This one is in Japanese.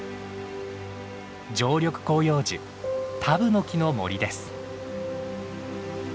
常緑広葉樹タブノキの森です。